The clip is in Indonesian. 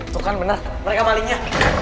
tuh kan bener mereka malingnya